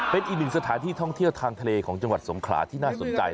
เป็นอีกหนึ่งสถานที่ท่องเที่ยวทางทะเลของจังหวัดสงขลาที่น่าสนใจ